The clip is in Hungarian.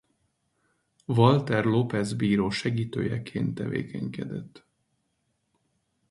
Walter López bíró segítőjeként tevékenykedett.